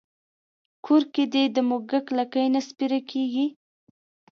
کور کې دې د موږک لکۍ نه سپېره کېږي.